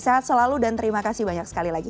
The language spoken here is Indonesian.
sehat selalu dan terima kasih banyak sekali lagi